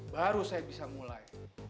baru saya bisa mulai